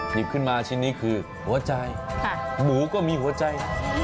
หยิบขึ้นมาชิ้นนี้คือหัวใจหมูก็มีหัวใจ